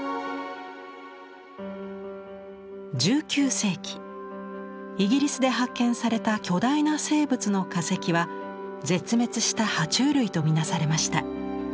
１９世紀イギリスで発見された巨大な生物の化石は絶滅した爬虫類と見なされました。